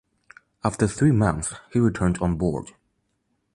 After three months he returned on board.